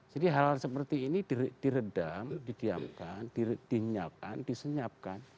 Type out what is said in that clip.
jadi hal hal seperti ini diredam didiamkan dinyapkan disenyapkan